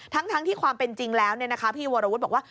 ทั้งที่ความเป็นจริงแล้วพี่วรวุฒิบอกว่า